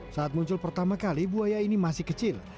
saat muncul pertama kali buaya ini masih kecil